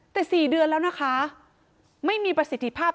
แต่๔เดือนแล้วนะคะไม่มีประสิทธิภาพ